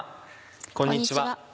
こんにちは。